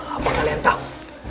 apa kalian tahu